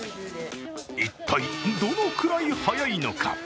一体、どのくらい早いのか。